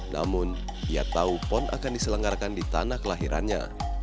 namun ia tahu pon akan diselenggarakan di tanah kelahirannya